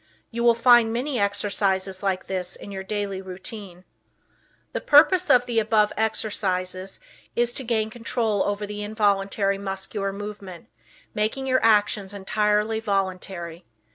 You will find many exercises like this in your daily routine. The purpose of the above exercises is to gain control over the involuntary muscular movement, making your actions entirely voluntary.